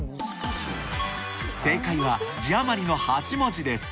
正解は字余りの８文字です。